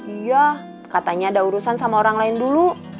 iya katanya ada urusan sama orang lain dulu